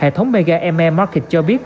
hệ thống mega m m market cho biết